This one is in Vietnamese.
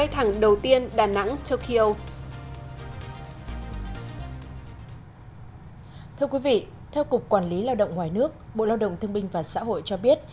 thưa quý vị theo cục quản lý lao động ngoài nước bộ lao động thương binh và xã hội cho biết